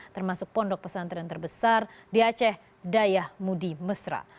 termasuk pondok pesantren terbesar di aceh dayah mudi mesra